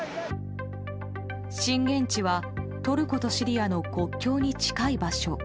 震源地はトルコとシリアの国境に近い場所。